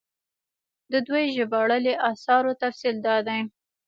د دوي ژباړلي اثارو تفصيل دا دی